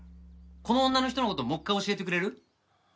この女の人の事もう一回教えてくれる？